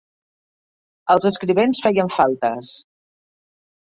Els escrivents feien faltes.